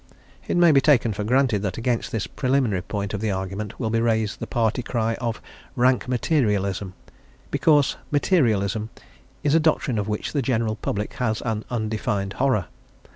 It may be taken for granted that against this preliminary point of the argument will be raised the party cry of "rank materialism," because "materialism" is a doctrine of which the general public has an undefined horror.